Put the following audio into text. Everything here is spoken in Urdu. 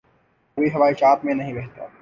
کبھی خواہشات میں نہیں بہتا